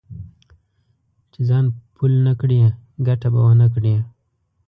چې ځان پل نه کړې؛ ګټه به و نه کړې.